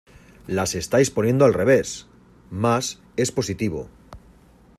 ¡ Las estáis poniendo al revés! Más es positivo.